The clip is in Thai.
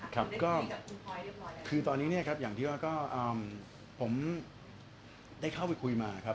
ครับก็คือตอนนี้เนี่ยครับอย่างที่ว่าก็ผมได้เข้าไปคุยมาครับ